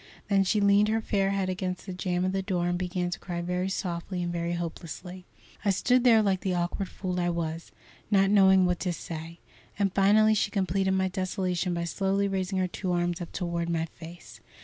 Then she leaned her fair head against the jam of the door and began to cry very softly and very hopelessly. I stood there like the awkward fool I was, not knowing what to say; and finally she completed my desolation by slowly raising her two arms up toward my face.